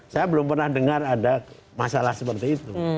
saya belum pernah dengar ada masalah seperti itu